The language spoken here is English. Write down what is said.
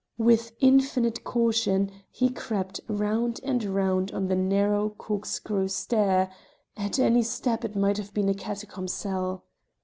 With infinite caution, he crept round and round on the narrow corkscrew stair; at any step it might have been a catacomb cell.